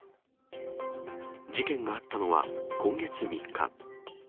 事件があったのは、今月３日。